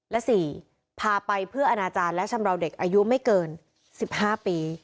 และ๔พาไปเพื่ออนาจารย์และชำราวเด็กอายุไม่เกิน๑๕ปี